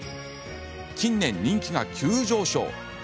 近年、人気が急上昇。